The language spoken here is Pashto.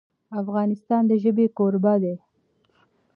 افغانستان د ژبې کوربه دی.